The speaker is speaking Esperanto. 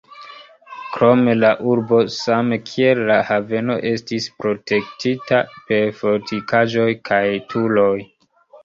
Krome la urbo, same kiel la haveno estis protektita per fortikaĵoj kaj turoj.